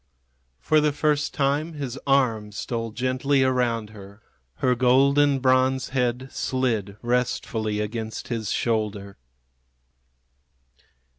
For the first time his arm stole gently around her. Her golden bronze head slid restfully against his shoulder.